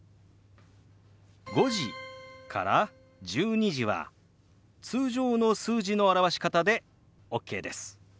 「５時」から「１２時」は通常の数字の表し方でＯＫです。